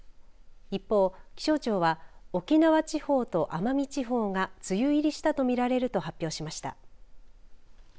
一方、気象庁は沖縄地方と奄美地方が梅雨入りしたと見られると発表しました。